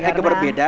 ini agak berbeda